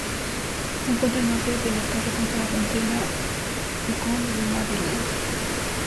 Se encuentra al norte del estado, junto a la frontera con Maryland.